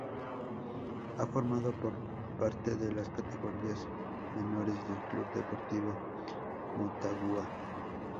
Ha formado parte de las categorías menores del Club Deportivo Motagua.